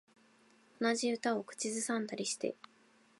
同じ歌を口ずさんでたりして